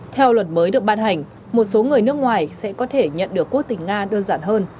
theo luật mới được ban hành một số người nước ngoài sẽ có thể nhận được quốc tịch nga đơn giản hơn